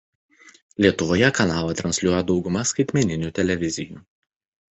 Lietuvoje kanalą transliuoja dauguma skaitmeninių televizijų.